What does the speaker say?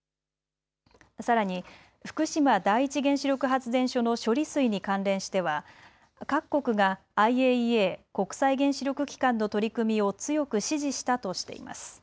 さらに福島第一原子力発電所の処理水に関連しては各国がＩＡＥＡ・国際原子力機関の取り組みを強く支持したとしています。